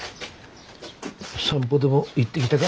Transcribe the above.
散歩でも行ってきたか？